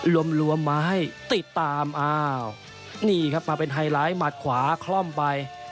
ลวมลัวไม้ติดตามนี่ครับมาเป็นไฮไลท์หมัดขวาคล่อมไป